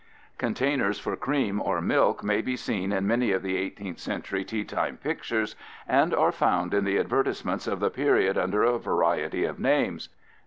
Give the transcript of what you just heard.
_)] Containers for cream or milk may be seen in many of the 18th century teatime pictures and are found in the advertisements of the period under a variety of names.